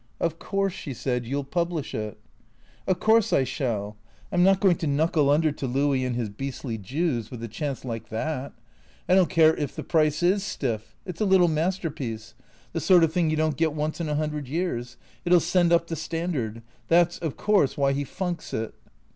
" Of course," she said, " you '11 publish it." " Of course I shall. I 'm not going to knuckle under to Louis and his beastly Jews — with a chance like that. I don't care if the price is stiff. It 's a little masterpiece, the sort of thing you don't get once in a hundred years. It '11 send up the standard. That 's of course why he funks it."